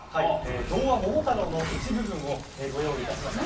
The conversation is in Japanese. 童話「桃太郎」の一部分をご用意いたしました。